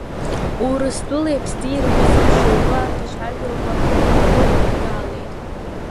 Урыстәылеи Аԥсни ирҩызам шьоукы арҭ ацәажәарақәа ҳрыларгалеит.